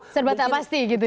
serba tak pasti gitu ya